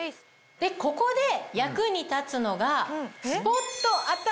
ここで役に立つのが。